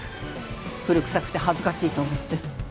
古臭くて恥ずかしいと思って。